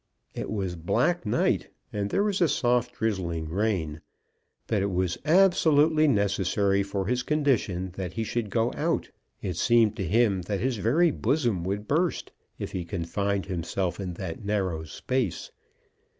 It was black night, and there was a soft drizzling rain; but it was absolutely necessary for his condition that he should go out. It seemed to him that his very bosom would burst, if he confined himself in that narrow space.